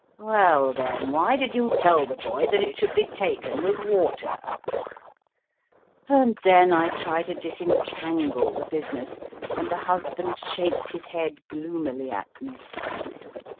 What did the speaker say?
Well, then, why did you tell the boy that it should be taken with water ? And then I try to disentangle the business, and the husband shakes his head gloomily at me.